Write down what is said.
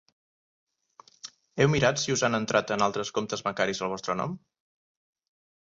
Heu mirat si us han entrat en altres comptes bancaris al vostre nom?